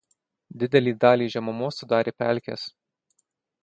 Didelę dalį žemumos sudaro pelkės.